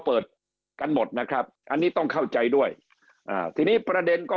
เปิดกันหมดนะครับอันนี้ต้องเข้าใจด้วยอ่าทีนี้ประเด็นก็